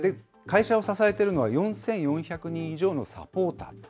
会社を支えているのは、４４００人以上のサポーター。